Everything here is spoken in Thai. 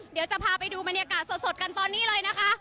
เดี๋ยวจะพาไปดูบรรยากาศสดกันตอนนี้เลยนะคะ